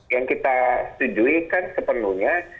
yang kita setujui kan sepenuhnya